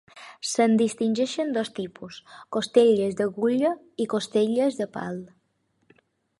Se'n distingeixen dos tipus: costelles d'agulla i costelles de pal.